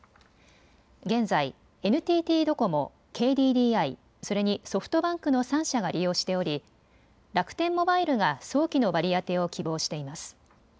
現在、ＮＴＴドコモ、ＫＤＤＩ、それにソフトバンクの３社が利用しており楽天モバイルが早期の割り当てを希望しています。